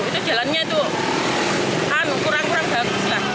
itu jalannya itu kurang kurang bagus lah